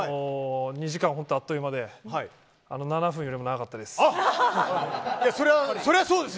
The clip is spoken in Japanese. ２時間、本当あっという間で７分よりも長かったです。